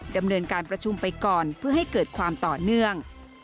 ดำเนินการประชุมไปก่อนเพื่อให้เกิดความต่อเนื่อง